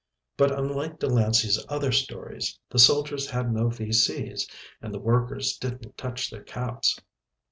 But, unlike Delancey's other stories, the soldiers had no V.C.'s and the workers didn't touch their caps.